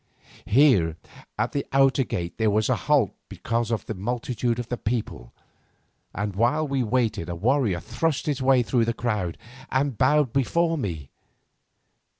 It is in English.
Here at the outer gate there was a halt because of the multitude of the people, and while we waited a warrior thrust his way through the crowd and bowed before me.